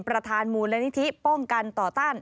ประธานมูลนิธิป้องกันต่อต้าน